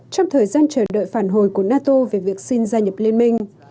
trong thời gian chờ đợi phản hồi của nato về việc xin gia nhập liên minh